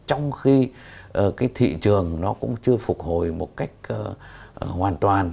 trong khi cái thị trường nó cũng chưa phục hồi một cách hoàn toàn